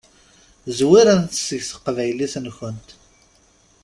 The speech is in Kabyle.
Zwiremt seg teqbaylit-nkent.